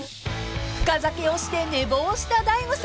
［深酒をして寝坊した大悟さん］